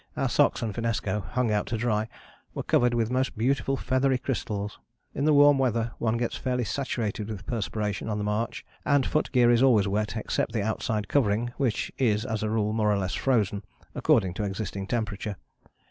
Our socks and finnesko, hung out to dry, were covered with most beautiful feathery crystals. In the warm weather one gets fairly saturated with perspiration on the march, and foot gear is always wet, except the outside covering which is as a rule more or less frozen according to existing temperature.